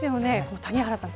谷原さん